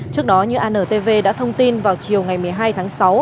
trước đó như antv đã thông tin vào chiều ngày một mươi hai tháng sáu